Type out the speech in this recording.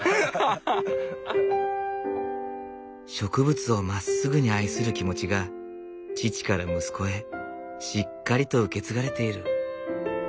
植物をまっすぐに愛する気持ちが父から息子へしっかりと受け継がれている。